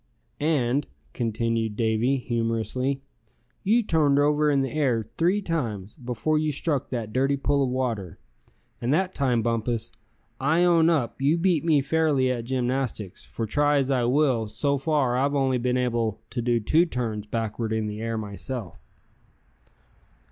"And," continued Davy, humorously, "you turned over in the air three times, before you struck that dirty pool of water. And that time, Bumpus, I own up you beat me fairly at gymnastics; for try as I will, so far I've only been able to do two turns backward in the air, myself."